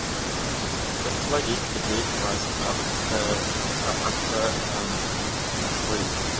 The Swedish defeat was utter and complete.